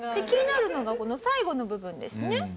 気になるのがこの最後の部分ですね。